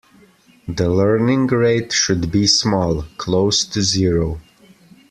The learning rate should be small, close to zero.